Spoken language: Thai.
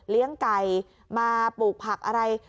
เลี้ยงไก่มาปลูกผักอะไร